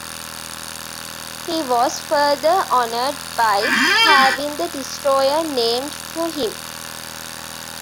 He was further honored by having the destroyer named for him.